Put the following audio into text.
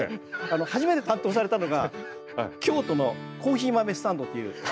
初めて担当されたのが京都の「コーヒー豆スタンド」という。